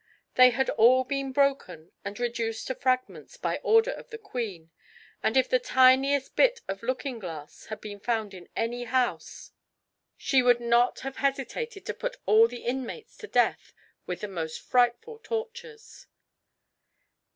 They had all been broken and reduced to fragments by order of the queen, and if the tiniest bit of looking glass had been found in any house, she would not have hesitated to put all the inmates to death with the most frightful tortures.